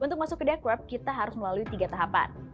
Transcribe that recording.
untuk masuk ke dark web kita harus melalui tiga tahapan